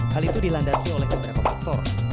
hal itu dilandasi oleh beberapa faktor